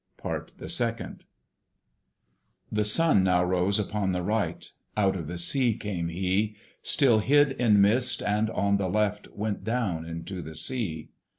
PART THE SECOND. The Sun now rose upon the right: Out of the sea came he, Still hid in mist, and on the left Went down into the sea.